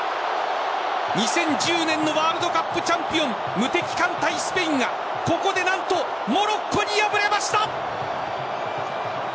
２０１０年のワールドカップチャンピオン無敵艦隊・スペインがここで何とモロッコに敗れました。